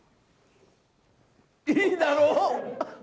いいだろう？